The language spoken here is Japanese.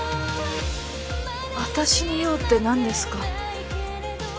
私に用って何ですか？